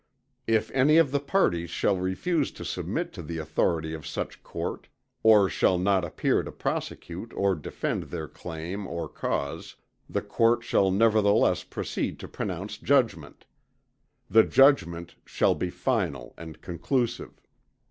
If any of the parties shall refuse to submit to the authority of such court; or shall not appear to prosecute or defend their claim or cause, the court shall nevertheless proceed to pronounce judgment. The judgment shall be final and conclusive.